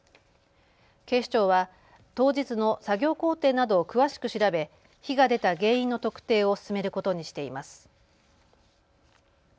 警視庁は当日の作業工程などを詳しく調べ火が出た原因の特定を進めることにしています。